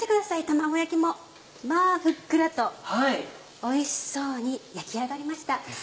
卵焼きもまぁふっくらとおいしそうに焼き上がりました。